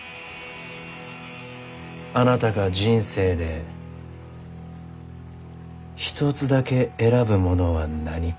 あなたが人生で一つだけ選ぶものは何か？